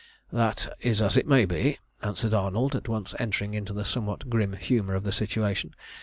"That is as it may be," answered Arnold, at once entering into the somewhat grim humour of the situation.